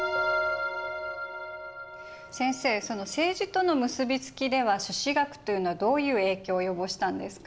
先生その政治との結び付きでは朱子学というのはどういう影響を及ぼしたんですか？